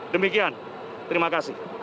demikian terima kasih